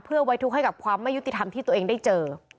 เพื่อไว้ทุกข์ให้กับความไม่ยุติธรรมที่ตัวเองได้เจอ